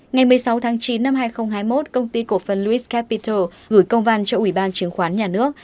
ngày một mươi sáu tháng chín năm hai nghìn hai mươi một công ty cổ phần luis capital gửi công văn cho ủy ban chứng khoán nhà nước